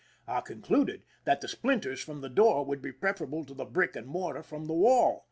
I concluded that the splinters from the door would be prefer able to the brick and mortar from the wall.